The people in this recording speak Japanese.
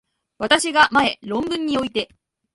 私が前論文において、